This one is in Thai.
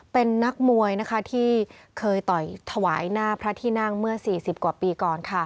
เป็นนักมวยที่เคยต่อยถวายหน้าพระที่นั่งเมื่อ๔๐กว่าปีก่อน